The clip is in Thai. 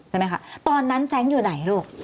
ใช่ไหมคะตอนนั้นแซงอยู่ไหนลูก